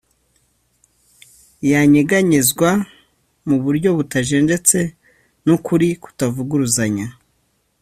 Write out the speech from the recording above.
yanyeganyezwa mu buryo butajenjetse n'ukuri kutavuguruzanya,